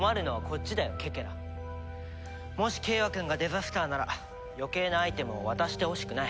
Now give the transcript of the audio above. もし景和くんがデザスターなら余計なアイテムを渡してほしくない。